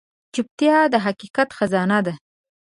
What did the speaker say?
چوپتیا، د حقیقت خزانه ده.